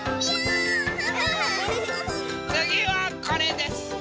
つぎはこれです。